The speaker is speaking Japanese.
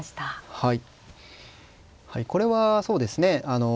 はい。